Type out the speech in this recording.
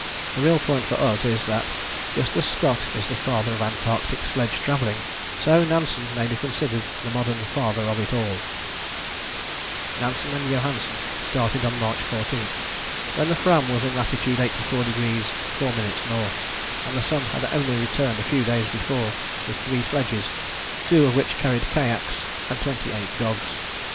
The real point for us is that, just as Scott is the Father of Antarctic sledge travelling, so Nansen may be considered the modern Father of it all. Nansen and Johansen started on March 14 when the Fram was in latitude 84° 4´ N., and the sun had only returned a few days before, with three sledges (two of which carried kayaks) and 28 dogs.